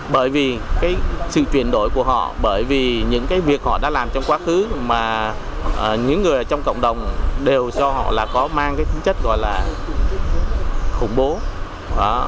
bởi vì cái sự chuyển đổi của họ bởi vì những cái việc họ đã làm trong quá khứ mà những người trong cộng đồng đều cho họ là có mang cái tính chất gọi là khủng bố